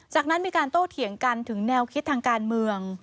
จากนั้นมีการโต้เถียงกันถึงแนวคิดทางการเมือง